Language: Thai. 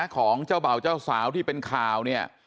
ของเจ้าบ่าวเจ้าสาวที่เป็นข่าวเนี่ย